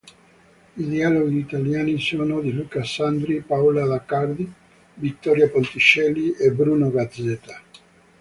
I dialoghi italiani sono di Luca Sandri, Paola D'Accardi, Vittoria Ponticelli e Bruno Gazzetta.